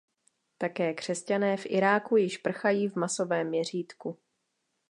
Také křesťané v Iráku již prchají v masovém měřítku.